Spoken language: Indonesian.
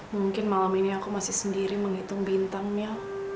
mungkin malam ini aku masih sendiri menghitung bintangnya